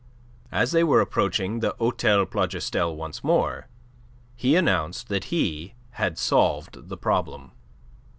As they were approaching the Hotel Plougastel once more, he announced that he had solved the problem.